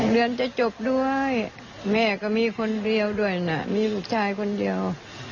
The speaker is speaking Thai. เดือนจะจบด้วยแม่ก็มีคนเดียวด้วยนะมีลูกชายคนเดียว